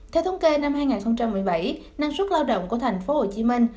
theo thống kê năm hai nghìn một mươi bảy năng suất lao động của thành phố hồ chí minh